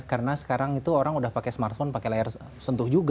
karena sekarang itu orang sudah pakai smartphone pakai layar sentuh